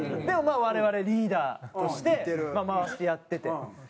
でもまあ我々リーダーとして回してやってて。